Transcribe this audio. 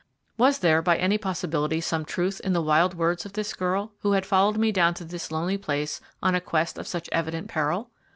Was there by any possibility some truth in the wild words of this girl, who had followed me down to this lonely place on a quest of such evident peril?